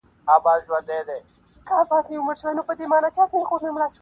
غربته ستا په شتون کي وسوه په ما,